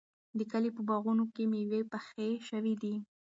د کلي په باغونو کې مېوې پخې شوې دي.